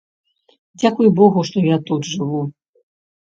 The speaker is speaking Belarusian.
Дзякуй богу, што я тут жыву.